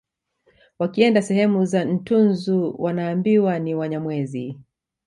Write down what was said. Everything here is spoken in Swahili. Wakienda sehemu za Ntunzu wanaambiwa ni Wanyamwezi